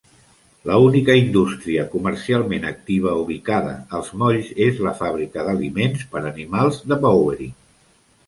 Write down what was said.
La única indústria comercialment activa ubicada als molls és la Fàbrica d'Aliments per Animals de Bowering.